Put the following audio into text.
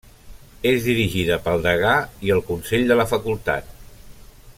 És dirigida pel Degà i el Consell de la Facultat.